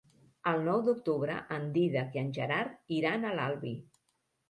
El nou d'octubre en Dídac i en Gerard iran a l'Albi.